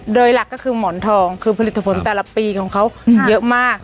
โดยหลักก็คือหมอนทองคือผลิตผลแต่ละปีของเขาเยอะมาก